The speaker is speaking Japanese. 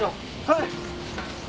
はい。